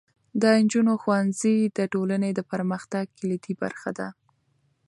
د نجونو ښوونځی د ټولنې د پرمختګ کلیدي برخه ده.